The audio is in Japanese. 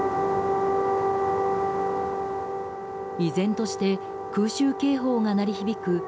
依然として空襲警報が鳴り響く